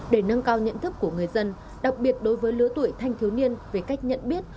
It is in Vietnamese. để nâng cao nhận thức của người dân đặc biệt đối với lứa tuổi thanh thiếu niên về cách nhận biết